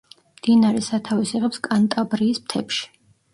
მდინარე სათავეს იღებს კანტაბრიის მთებში.